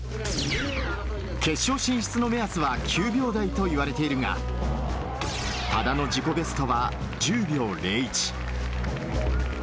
決勝進出の目安は９秒台といわれているが多田の自己ベストは１０秒０１。